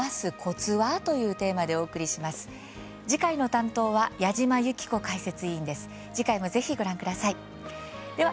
担当は矢島ゆき子解説委員です。